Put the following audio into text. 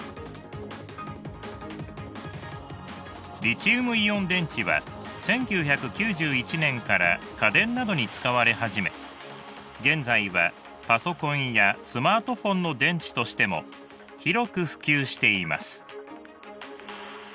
リチウムイオン電池は１９９１年から家電などに使われ始め現在はパソコンやスマートフォンの電池としても広く普及しています。